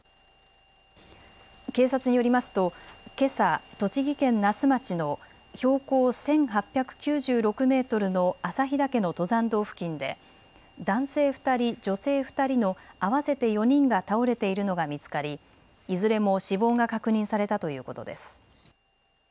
警察によりますとけさ栃木県那須町の標高１８９６メートルの朝日岳の登山道付近で男性２人、女性２人の合わせて４人が倒れているのが見つかりいずれも死亡が確認されたということです。